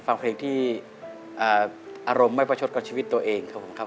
ฟังเพลงที่อารมณ์ไม่ประชดกับชีวิตตัวเองครับผมครับ